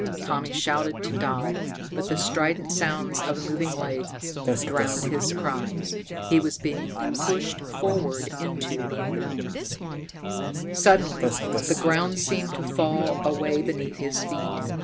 Tommy shouted to Dodd, but the strident sounds of the moving legs drowned his cries. He was being pushed forward into the unknown. Suddenly the ground seemed to fall away beneath his feet.